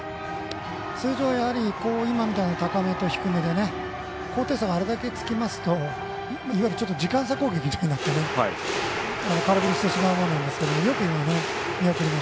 通常は今みたいな高めと低めで高低差があれだけつきますといわゆる時間差攻撃みたいになり空振りしてしまうんですが。